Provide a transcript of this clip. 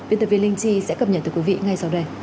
viên tập viên linh chi sẽ cập nhật từ quý vị ngay sau đây